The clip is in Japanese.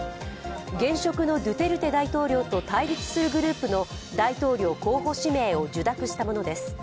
現職のドゥテルテ大統領と対立するグループの大統領候補指名を受諾したものです。